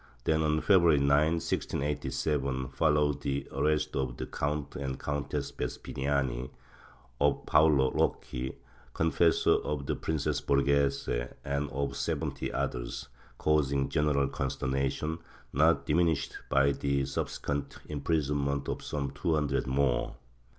Then, on February 9, 1687, followed the arrest of the Count and Countess Vespiniani, of Paolo Rocchi, confessor of the Princess Borghese, and of seventy others, causing general consternation, not dimin ished by the subsequent imprisonment of some two hundred more.